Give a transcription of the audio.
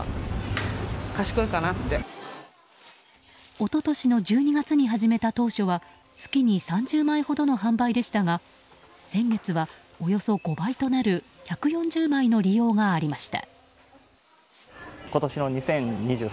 一昨年の１２月に始めた当初は月に３０枚ほどの販売でしたが先月は、およそ５倍となる１４０枚の利用がありました。